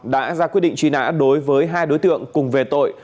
đã ra quyết định truy nã đối với hai đối tượng cùng về tội